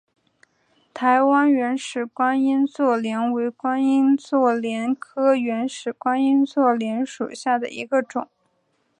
台湾原始观音座莲为观音座莲科原始观音座莲属下的一个种。